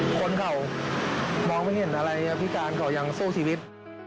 คนเขามองไม่เห็นอะไรพิการเขายังสู้ชีวิต